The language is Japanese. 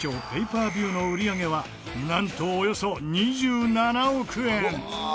パー・ビューの売り上げはなんと、およそ２７億円